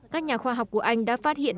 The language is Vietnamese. các nhà khoa học của anh đã phát hiện